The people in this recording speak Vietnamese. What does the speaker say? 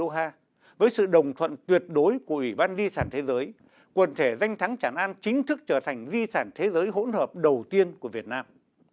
ngày hai mươi ba tháng sáu năm hai nghìn một mươi bốn tại đô ha với sự đồng thuận tuyệt đối của ủy ban di sản thế giới quần thể danh thắng tràng an chính thức trở thành di sản thế giới hỗn hợp đầu tiên của việt nam